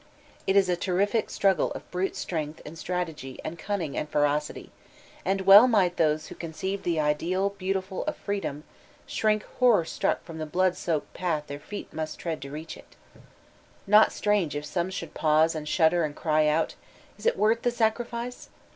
It is a terrific struggle of brute strength and strategy and cunning and ferocity, and well might those who conceived the ideal beautiful of freedom, shrink horror struck from the blood soaked path their feet must tread to reach it Not strange if some should pause and shudder and cry out, ''Is it worth the sacri fice